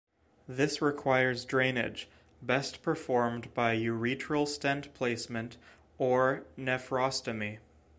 This requires drainage, best performed by ureteral stent placement or nephrostomy.